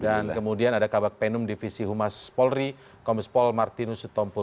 dan kemudian ada kabak penum divisi humas polri komis pol martinus utompul